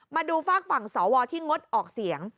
มาดูฝากฝั่งสวที่งดออกเสียง